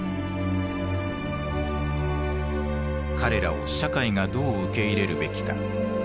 彼らを社会がどう受け入れるべきか。